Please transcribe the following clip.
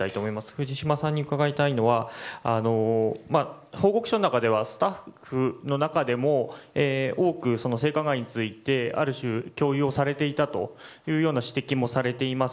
藤島さんに伺いたいのは報告書の中ではスタッフの中でも多く性加害についてある種、強要をされていたという指摘もされています。